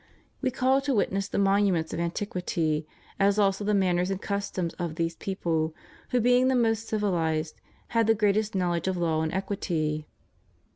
* We call to witness the monuments of antiquity, as also the manners and customs of those people who, being the most civihzed, had the greatest knowledge of law and equity.